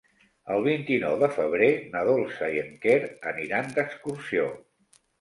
El vint-i-nou de febrer na Dolça i en Quer aniran d'excursió.